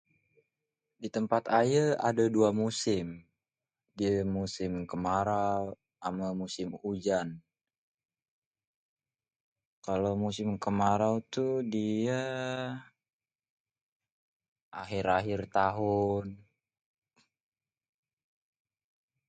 ditempat ayê adê dua musim musim kemarau amê musim hujan, kalo musim kemarau tuh diê akhir akhir tahun.